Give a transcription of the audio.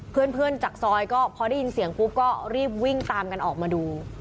เพื่อนจากซอยก็พอได้ยินเสียงปุ๊บก็รีบวิ่งตามกันออกมาดู